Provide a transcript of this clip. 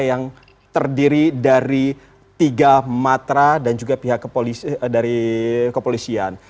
yang terdiri dari tiga matra dan juga pihak dari kepolisian